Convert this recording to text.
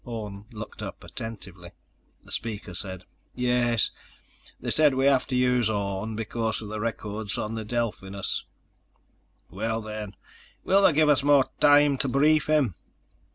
Orne looked up attentively. The speaker said: "Yes. They said we have to use Orne because of the records on the Delphinus." "Well then, will they give us more time to brief him?"